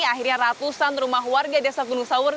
akhirnya ratusan rumah warga desa gunung sawur